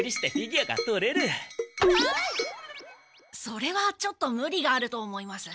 それはちょっとムリがあると思います。